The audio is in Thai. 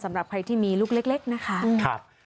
สำหรับใครที่มีลูกเล็กนะคะ